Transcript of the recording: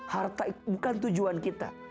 harta bukan tujuan kita